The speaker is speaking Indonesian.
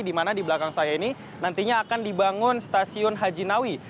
di mana di belakang saya ini nantinya akan dibangun stasiun haji nawi